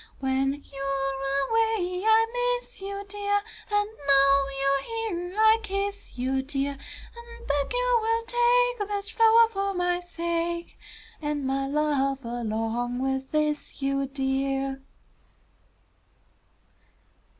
When you're away I miss you, Dear, And now you're here I'll kiss you, Dear, And beg you will take This flow'r for my sake, And my love along with this, you Dear!